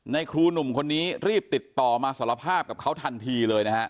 ครูหนุ่มคนนี้รีบติดต่อมาสารภาพกับเขาทันทีเลยนะฮะ